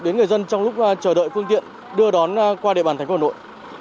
đến người dân trong lúc chờ đợi phương tiện đưa đón qua địa bàn thành phố hà nội